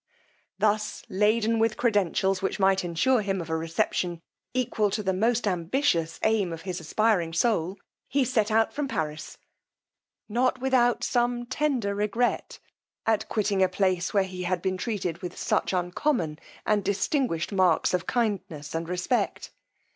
Thus laden with credentials which might assure him of a reception equal to the most ambitious aim of his aspiring soul, he set out from Paris, not without some tender regret at quitting a place where he had been treated with such uncommon and distinguished marks of kindness and respect.